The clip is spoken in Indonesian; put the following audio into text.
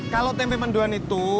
kalau tempe mendoan itu